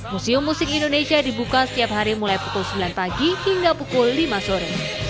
museum musik indonesia dibuka setiap hari mulai pukul sembilan pagi hingga pukul lima sore